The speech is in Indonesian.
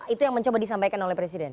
itu yang mencoba disampaikan oleh presiden